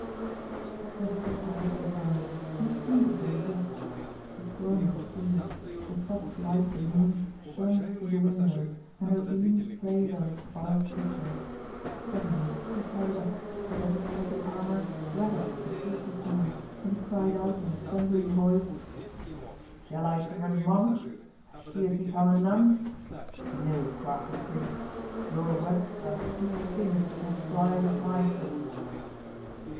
He pressed his hands on his eyes, and it seemed as though he wept. The storm had ceased; the soft light of the moon shone through the windows, and her beams played on his wild features. Suddenly he started up, so that his heavy armour rattled with a fearful sound, and he cried out in a thundering voice, "Shall I turn monk, as she has become a nun? No, crafty priest; your webs are too thin to catch flies of my sort."